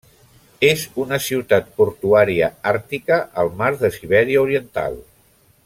És una ciutat portuària àrtica al mar de Sibèria Oriental.